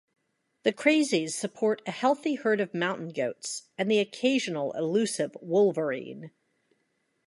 The Crazies support a healthy herd of mountain goats and the occasional elusive wolverine.